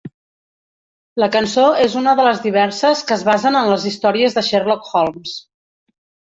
La cançó és una de les diverses que es basen en les històries de Sherlock Holmes.